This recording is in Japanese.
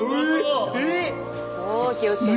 気をつけて。